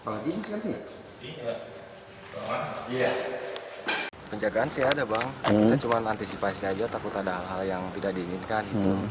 pencegahan sih ada bang kita cuma antisipasi aja takut ada hal hal yang tidak diinginkan